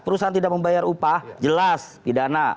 perusahaan tidak membayar upah jelas pidana